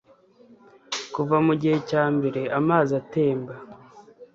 Kuva mugihe cyambere amazi atemba